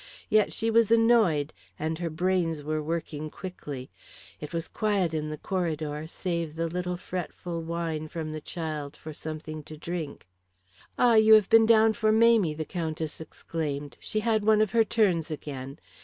Yet she was annoyed, and her brains were working quickly. It was quiet in the corridor, save the little fretful whine from the child for something to drink. "Ah, you have been down for Mamie," the Countess exclaimed. "She had one of her turns again.